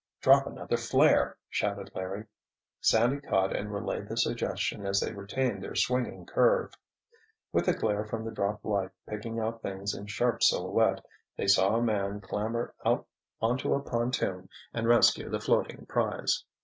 "Drop another flare!" shouted Larry. Sandy caught and relayed the suggestion as they retained their swinging curve. With the glare from the dropped light picking out things in sharp silhouette, they saw a man clamber out onto a pontoon and rescue the floating prize.